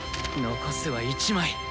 残すは１枚。